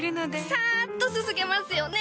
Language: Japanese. サッとすすげますよね！